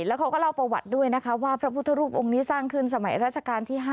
แล้วเขาก็เล่าประวัติด้วยนะคะว่าพระพุทธรูปองค์นี้สร้างขึ้นสมัยราชการที่๕